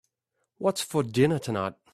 What's for dinner tonight?